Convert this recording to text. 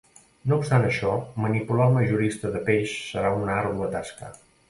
No obstant això, manipular al majorista de peix serà una àrdua tasca.